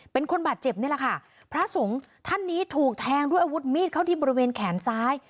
เป็นคนบาดเจ็บนี่แหละค่ะพระสงฆ์ท่านนี้ถูกแทงด้วยอาวุธมีดเข้าที่บริเวณแขนซ้าย